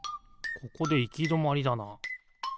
ここでいきどまりだな。